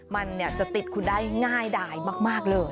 มันจะติดคุณได้ง่ายดายมากเลย